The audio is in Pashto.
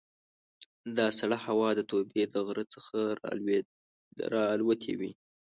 دا سړه هوا د توبې د غره څخه را الوتې وي.